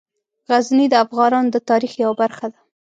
غزني د افغانانو د تاریخ یوه برخه ده.